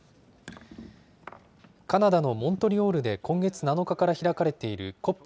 カナダのモントリオールで今月７日から開かれているＣＯＰ